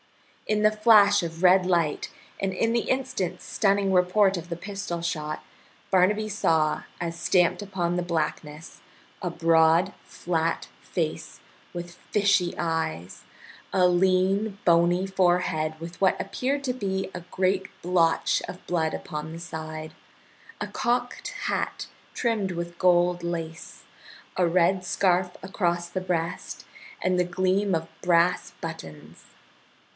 In the flash of red light, and in the instant stunning report of the pistol shot, Barnaby saw, as stamped upon the blackness, a broad, flat face with fishy eyes, a lean, bony forehead with what appeared to be a great blotch of blood upon the side, a cocked hat trimmed with gold lace, a red scarf across the breast, and the gleam of brass buttons.